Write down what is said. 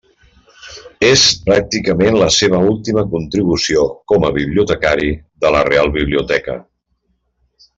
És pràcticament la seva última contribució com a bibliotecari de la Real Biblioteca.